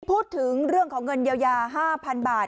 พูดถึงเรื่องของเงินเยียวยา๕๐๐๐บาท